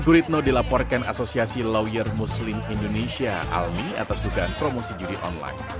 guritno dilaporkan asosiasi lawyer muslim indonesia almi atas dugaan promosi judi online